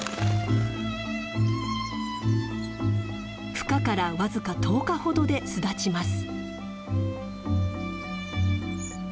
ふ化から僅か１０日ほどで巣立ちます。